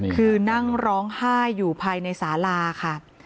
คือนั่งร้องไห้อยู่ภายในสาลาค่ะ